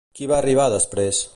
Qui va arribar després?